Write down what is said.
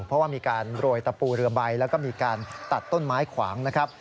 เพราะว่ามีการโรยตะปูเรือใบแล้วก็มีการตัดต้นไม้ขวางนะครับ